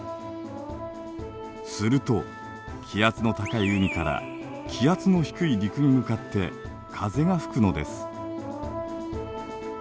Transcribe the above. すると気圧の高い海から気圧の低い陸に向かって風が吹くのです。